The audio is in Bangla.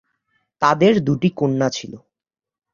তাদের দুটি কন্যা ছিল।